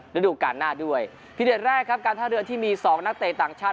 ฤดูการหน้าด้วยพิเด็ดแรกครับการท่าเรือที่มีสองนักเตะต่างชาติ